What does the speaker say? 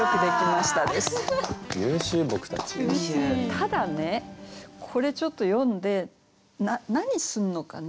ただねこれちょっと読んで何すんのかな？